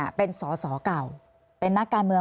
รัฐบาลนี้ใช้วิธีปล่อยให้จนมา๔ปีปีที่๕ค่อยมาแจกเงิน